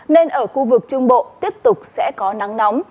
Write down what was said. nên ở khu vực trung bộ tiếp tục sẽ có nắng nóng